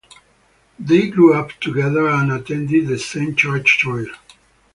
They grew up together and attended the same church choir.